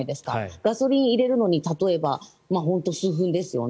ガソリンを入れるのに例えば本当に数分ですよね。